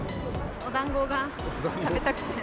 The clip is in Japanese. おだんごが食べたくて。